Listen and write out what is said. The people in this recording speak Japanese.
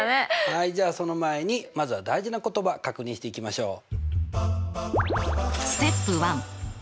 はいじゃあその前にまずは大事な言葉確認していきましょう。